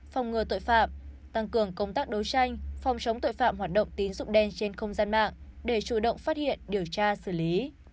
phòng ngừa tội phạm tăng cường công tác đấu tranh phòng chống tội phạm hoạt động tín dụng đen trên không gian mạng để chủ động phát hiện điều tra xử lý